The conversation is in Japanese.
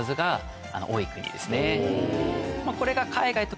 これが。